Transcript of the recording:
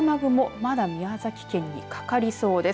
まだ宮崎県にかかりそうです。